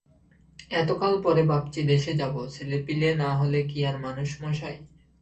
এতকাল পরে ভাবচি দেশে ষাবো-ছেলেপিলে না হলে কি আর মানুষ মশাই?